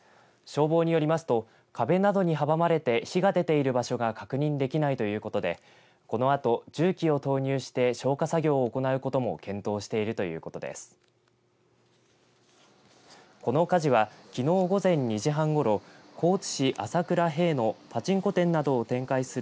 消防によりますと壁などに阻まれて火が出ている場所が確認できないということでこのあと重機を投入して消火作業を行うことも検討しているということです。